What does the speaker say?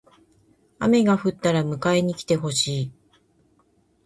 雨が降ったら迎えに来てほしい。